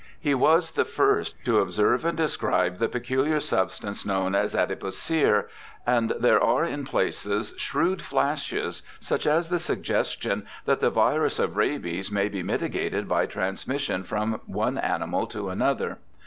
He was the first to observ^e and describe the peculiar substance known as adipocere, and there are in places shrewd flashes, such as the suggestion that the virus of rabies may be mitigated by transmission from one animal to another.